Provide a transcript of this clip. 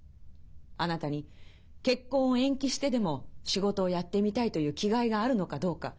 あなたに結婚を延期してでも仕事をやってみたいという気概があるのかどうか。